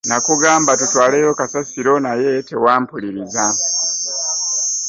Nakugamba tutwaleyo kasasiro naye tewampuliriza.